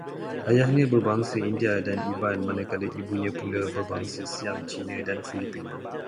Ayahnya berbangsa India dan Iban, manakala ibunya pula berbangsa Siam, Cina dan Filipina